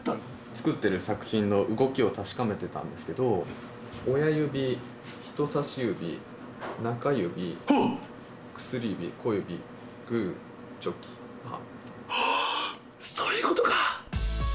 作ってる作品の動きを確かめてたんですけど、親指、人さし指、中指、薬指、小指、グー、チョキ、あー、そういうことか！